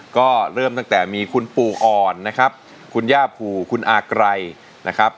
ก็เริ่มตั้งแต่มีคุณปู่อ่อนนะครับคุณย่าภูคุณอาไกรนะครับ